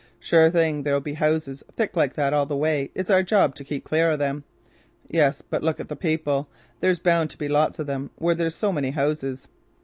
"Sure thing, there'll be houses thick like that all the way. It's our job to keep clear of them." "Yes, but look at the people. There's bound to be lots of them where there's so many houses."